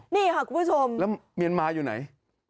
นี่ค่ะคุณผู้ชมแล้วเมียนมาอยู่ไหน